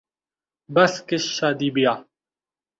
بس کس شادی بیاہ